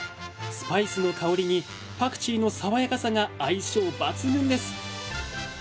スパイスの香りにパクチーの爽やかさが相性抜群です。